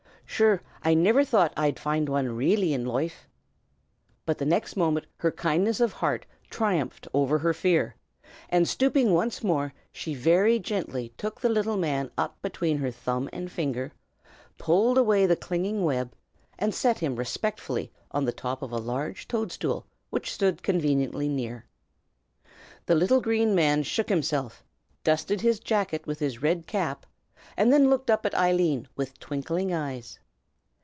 Sure, I niver thought I'd find wan really in loife!" but the next moment her kindness of heart triumphed over her fear, and stooping once more she very gently took the little man up between her thumb and finger, pulled away the clinging web, and set him respectfully on the top of a large toadstool which stood conveniently near. The little Green Man shook himself, dusted his jacket with his red cap, and then looked up at Eileen with twinkling eyes.